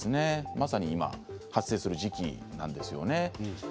まさに今、発生する時期なんですよね。